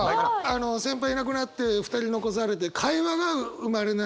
先輩いなくなって２人残されて会話が生まれない。